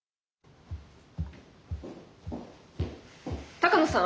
鷹野さん？